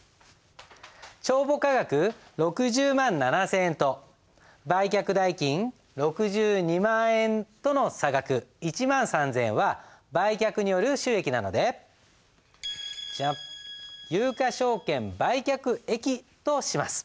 帳簿価額６０万７，０００円と売却代金６２万円との差額１万３，０００円は売却による収益なので有価証券売却益とします。